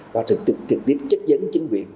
và trực tiếp chấp dấn chính quyền